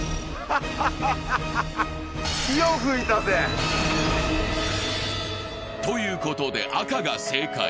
日を噴いたぜ。ということで、赤が正解。